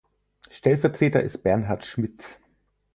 Stellvertreter ist Bernhard Schmitz.